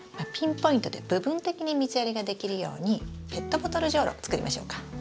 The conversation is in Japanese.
ピンポイントで部分的に水やりができるようにペットボトルじょうろ作りましょうか。